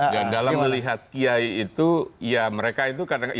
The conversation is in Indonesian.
dan dalam melihat kiai itu ya mereka itu kadang kadang